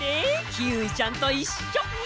キーウィちゃんといっしょ。ね！